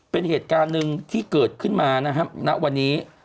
เป็นเหตุการณ์หนึ่งที่เกิดขึ้นมานะครับณวันนี้